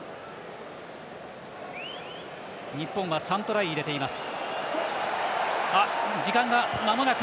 日本は３トライ入れています。